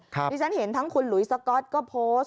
ที่ฉันเห็นทั้งคุณหลุยสก๊อตก็โพสต์